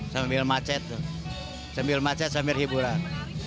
sambil macet tuh sambil macet sambil hiburan